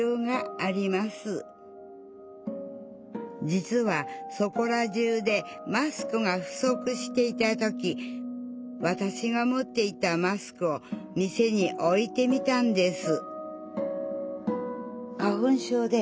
実はそこら中でマスクが不足していた時わたしが持っていたマスクを店に置いてみたんです